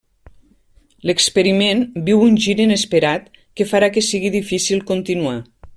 L'experiment viu un gir inesperat que farà que sigui difícil continuar.